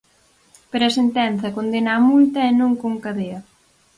Pero a sentenza condena a multa e non con cadea.